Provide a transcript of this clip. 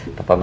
tidur lagi ya